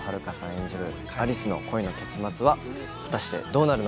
演じる有栖の恋の結末は果たしてどうなるのか？